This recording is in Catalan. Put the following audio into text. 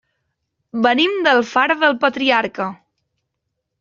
Venim d'Alfara del Patriarca.